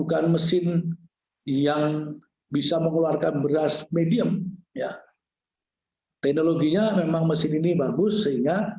bukan mesin yang bisa mengeluarkan beras medium ya teknologinya memang mesin ini bagus sehingga